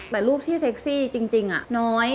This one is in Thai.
แต่รูปที่เซ็กซี่จริงน้อย